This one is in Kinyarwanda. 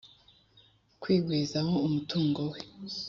Kwigwizaho umutungo we